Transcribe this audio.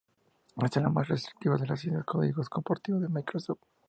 Esta es la más restrictiva de las licencias de código compartido de Microsoft.